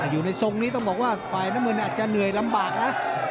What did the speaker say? อาจอยู่ในฟัยส่งแบบนี้ฟัยน้ำมือนเองก็หน่วยลำบากนะ